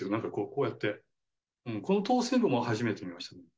こうやってこの通せんぼも初めて見ましたね